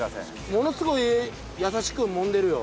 ものすごい優しくもんでるよ。